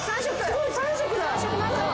すごい３色だ。